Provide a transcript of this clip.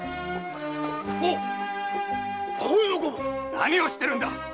何をしてるんだ！